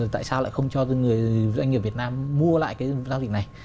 tại sao lại không cho doanh nghiệp việt nam mua lại cái giao dịch này